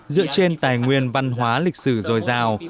dựa trên tài nguyên văn hóa lịch sử dồi dào